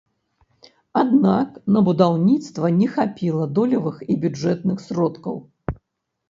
Аднак на будаўніцтва не хапіла долевых і бюджэтных сродкаў.